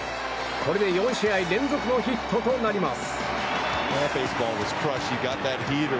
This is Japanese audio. これで４試合連続のヒットとなります。